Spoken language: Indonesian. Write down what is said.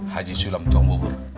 haji sulam tua bubur